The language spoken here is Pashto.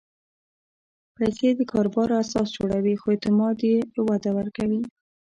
پېسې د کاروبار اساس جوړوي، خو اعتماد یې وده ورکوي.